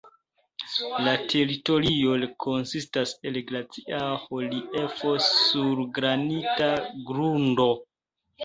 La teritorio konsistas el glacia reliefo sur granita grundo.